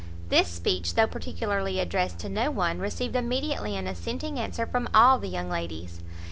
This speech, though particularly addressed to no one, received immediately an assenting answer from all the young ladies.